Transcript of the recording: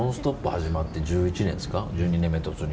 始まって１１年ですか、１２年目突入。